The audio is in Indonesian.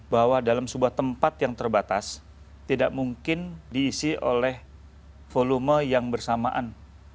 bahwa dalam sebuah tempat yang terbatas tidak mungkin diisi oleh volume yang bersamaan